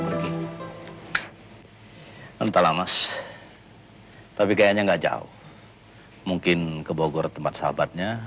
hai entahlah mas tapi kayaknya enggak jauh mungkin ke bogor tempat sahabatnya